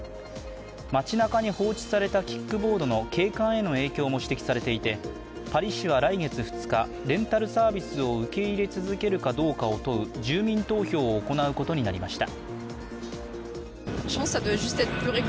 街なかに放置されたキックボードの景観への影響も指摘されていてパリ市は来月２日、レンタルサービスを受け入れ続けるかどうかを問う住民投票を行うことになりました。